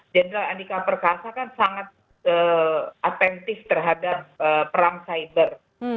jenderal andika perkasa kan sangat atensif terhadap perang cyber